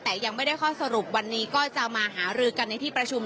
แต่ยังไม่ได้ข้อสรุปวันนี้ก็จะมาหารือกันในที่ประชุม